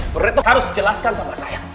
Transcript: buratno harus jelaskan sama saya